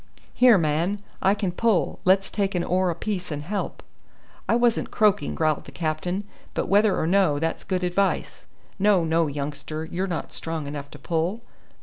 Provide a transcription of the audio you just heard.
"Here, man, I can pull; let's take an oar apiece and help." "I wasn't croaking," growled the captain; "but whether or no, that's good advice. No, no, youngster, you're not strong enough to pull."